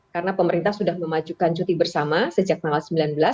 karena pemerintah sudah memajukan cuti bersama sejak tanggal sembilan belas